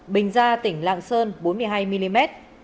bình gia tỉnh lạng sơn bốn mươi hai mm